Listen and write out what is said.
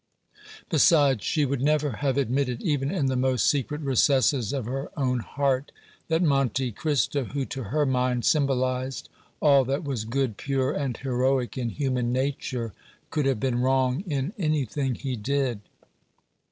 Besides, she would never have admitted, even in the most secret recesses of her own heart, that Monte Cristo, who to her mind symbolized all that was good, pure and heroic in human nature, could have been wrong in anything he did.